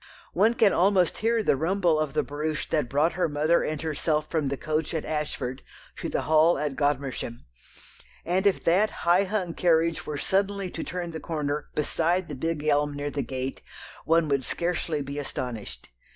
One can almost hear the rumble of the barouche that brought her mother and herself from the coach at Ashford to the Hall at Godmersham, and if that high hung carriage were suddenly to turn the corner beside the big elm near the gate one would scarcely be astonished.